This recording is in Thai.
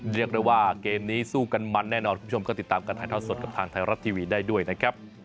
เรียกได้ว่าเกมนี้สู้กันมันแน่นอนคุณผู้ชมก็ติดตามการถ่ายทอดสดกับทางไทยรัฐทีวีได้ด้วยนะครับ